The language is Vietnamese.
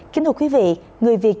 kính thưa quý vị người việt